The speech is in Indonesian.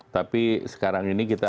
tapi sekarang ini kita